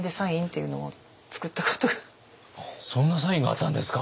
そんなサインがあったんですか！